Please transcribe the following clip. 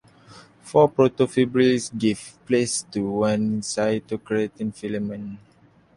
Four protofibrils give place to one cytokeratin filament.